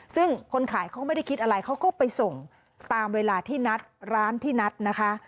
ซึ่งคนขายเขาไม่ได้คิดอะไรเขาก็ไปส่งตามเวลาที่นัดร้านที่นัดนะคะ